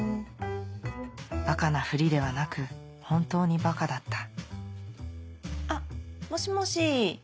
バカなふりではなく本当にバカだったあっもしもし。